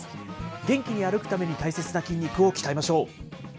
元気に歩くために大切な筋肉を鍛えましょう。